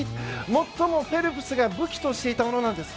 最もフェルプスが武器としていたものなんです。